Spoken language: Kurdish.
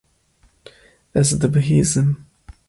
Ez dibihîzim.